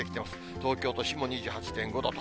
東京都心も２８．５度と。